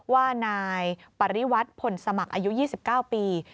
ว่านายปริวัติผลสมัครอายุ๒๙ปี